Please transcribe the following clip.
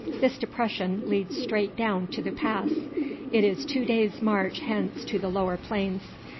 "This depression leads straight down to the pass. It is two days' march hence to the lower plains.